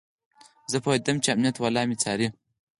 زه پوهېدم چې امنيت والا مې څاري.